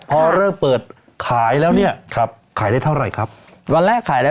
พอเริ่มเปิดขายแล้วเนี่ยครับขายได้เท่าไหร่ครับวันแรกขายอะไร